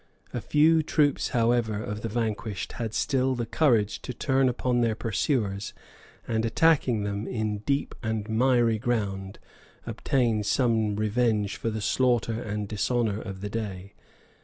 A few troops, however, of the vanquished had still the courage to turn upon their pursuers; and attacking them in deep and miry ground, obtained some revenge for the slaughter and dishonor of the day.